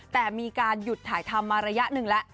แต่มีการหยุดถ่ายทำมาระยะหนึ่งแล้ว